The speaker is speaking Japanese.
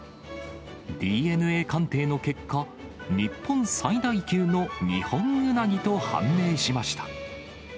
ＤＮＡ鑑定の結果、日本最大級のニホンウナギと判明しました。